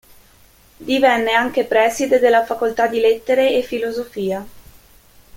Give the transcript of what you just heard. Divenne anche preside della facoltà di lettere e filosofia.